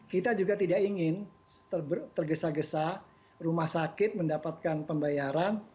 kita juga tidak ingin tergesa gesa rumah sakit mendapatkan pembayaran